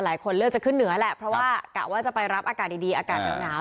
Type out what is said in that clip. หลายคนเลือกจะขึ้นเหนือแหละเพราะว่ากะว่าจะไปรับอากาศดีอากาศหนาว